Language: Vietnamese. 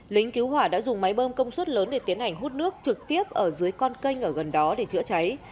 lính cứu hỏa đã dùng máy bơm công suất lớn để tiến hành hút nước trực tiếp ở dưới con kênh ở gần đó để chữa cháy